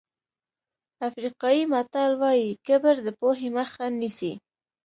افریقایي متل وایي کبر د پوهې مخه نیسي.